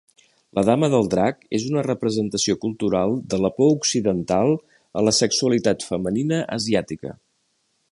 La Dama del Drac és una representació cultural de la por occidental a la sexualitat femenina asiàtica.